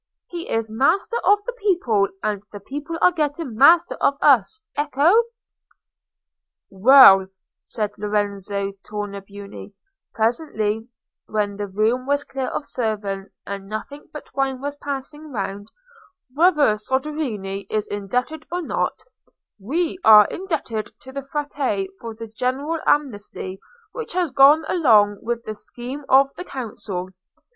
He is master of the people, and the people are getting master of us. Ecco!" "Well," said Lorenzo Tornabuoni, presently, when the room was clear of servants, and nothing but wine was passing round, "whether Soderini is indebted or not, we are indebted to the Frate for the general amnesty which has gone along with the scheme of the Council.